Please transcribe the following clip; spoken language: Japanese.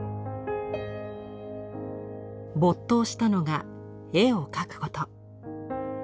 没頭したのが絵を描くこと。